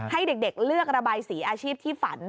ให้เด็กเลือกระบายสีอาชีพที่ฝัน